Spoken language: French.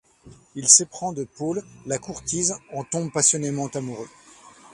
Il s'éprend de Paule, la courtise, en tombe passionnément amoureux.